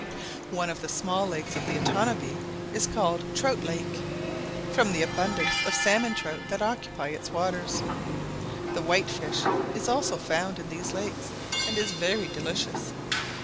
One of the small lakes of the Otanabee is called Trout Lake, from the abundance of salmon trout that occupy its waters. The white fish is also found in these lakes and is very delicious.